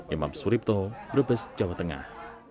imam suripto brebes jawa tengah